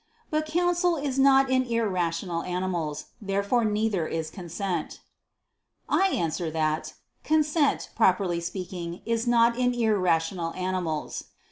But counsel is not in irrational animals. Therefore neither is consent. I answer that, Consent, properly speaking, is not in irrational animals.